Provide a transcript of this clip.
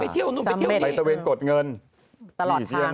ไปที่ที่เรยอง